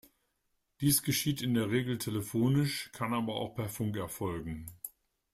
Dies geschieht in der Regel telefonisch, kann aber auch per Funk erfolgen.